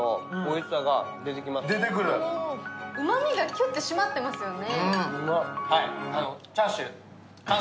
うまみがキュッてしまってますよね。